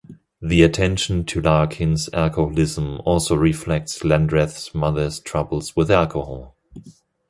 The attention to Larkin's alcoholism also reflects Landreth's mother's troubles with alcohol.